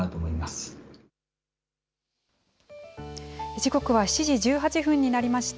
時刻は７時１８分になりました。